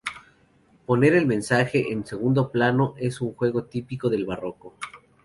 Poner el mensaje en un segundo plano es un juego típico del Barroco.